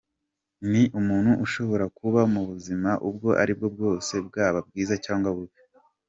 Ni umuntu ushobora kuba mu buzima ubwo aribwo bwose bwaba bwiza cyangwa bubi.